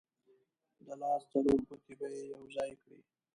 د لاس څلور ګوتې به یې یو ځای کړې.